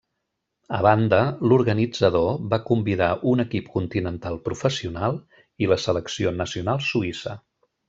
A banda, l'organitzador va convidar un equip continental professional i la selecció nacional suïssa.